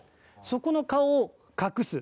そこの顔を隠す。